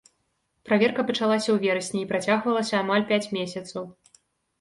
Праверка пачалася ў верасні і працягвалася амаль пяць месяцаў.